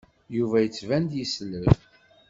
Yuba yettban-d yesleb.